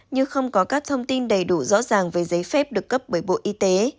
như không có các thông tin đầy đủ rõ ràng về giấy phép được cấp bởi bộ y tế